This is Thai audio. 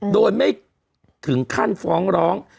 โดยไม่ถึงขั้นฟ้องร้อง